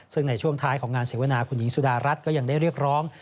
ซึ่งในช่วงท้ายของงานเสวนาคุณหญิงสุดารัฐก็ยังได้เรียกร้อง